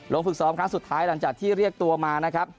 ฝึกซ้อมครั้งสุดท้ายหลังจากที่เรียกตัวมานะครับ